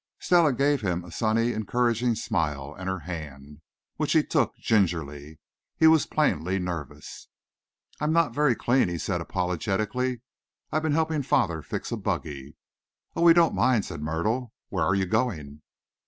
Stella gave him a sunny encouraging smile, and her hand, which he took gingerly. He was plainly nervous. "I'm not very clean," he said apologetically. "I've been helping father fix a buggy." "Oh, we don't mind," said Myrtle. "Where are you going?"